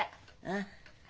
ああ。